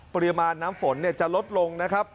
ปริมาณน้ำฝนจะลดลงนะครับ